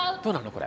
これ。